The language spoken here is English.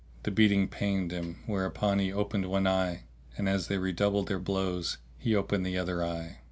The beating pained him, whereupon he opened one eye and, as they redoubled their blows, he opened the other eye.